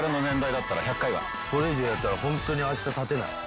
これ以上やったらホントに明日立てない。